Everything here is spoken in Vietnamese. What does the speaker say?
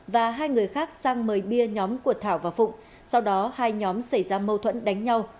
và hai người khác sang mời bia nhóm của thảo và phụng sau đó hai nhóm xảy ra mâu thuẫn đánh nhau